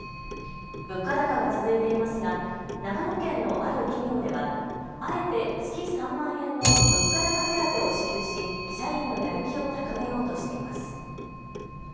物価高が続いていますが長野県のある企業ではあえて月３万円の物価高手当を支給し社員のやる気を高めようとしています。